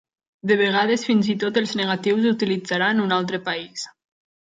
De vegades, fins i tot els negatius utilitzaran un altre país.